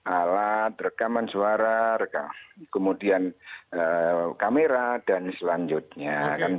alat rekaman suara kemudian kamera dan selanjutnya